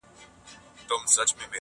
ښکاري دا چې دا دور ختمیدونکی دی